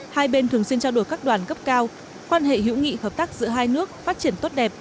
hai bên thường xuyên trao đổi các đoàn cấp cao quan hệ hữu nghị hợp tác giữa hai nước phát triển tốt đẹp